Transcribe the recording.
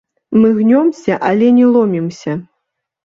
Мы гнёмся, але не ломімся.